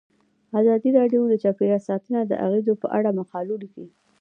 ازادي راډیو د چاپیریال ساتنه د اغیزو په اړه مقالو لیکلي.